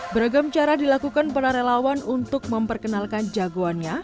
beragam cara dilakukan para relawan untuk memperkenalkan jagoannya